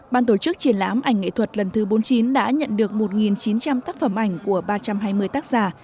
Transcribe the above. ban tổ chức triển lãm ảnh nghệ thuật lần thứ bốn mươi chín đã nhận được một chín trăm linh tác phẩm ảnh của ba trăm hai mươi tác giả